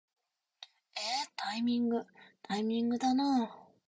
えータイミングー、タイミングだなー